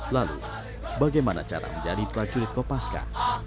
lalu bagaimana cara menjadi prajurit kopaska